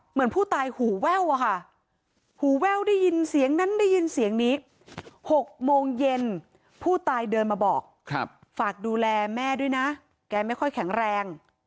เหมือนผู้ตายหูแว่วอะค่ะหูแว่วได้ยินเสียงนั้นได้ยินเสียงนี้๖โมงเย็นผู้ตายเดินมาบอกฝากดูแลแม่ด้วยนะแกไม่ค่อยแข็งแรง